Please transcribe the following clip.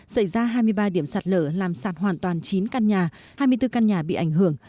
xảy ra hai mươi ba điểm sạt lở làm sạt hoàn toàn chín căn nhà hai mươi bốn căn nhà bị ảnh hưởng